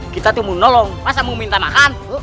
kita tuh mau nolong masa mau minta nahan